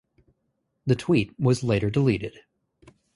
The tweet was later deleted.